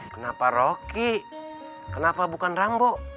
kenapa rocky kenapa bukan rambu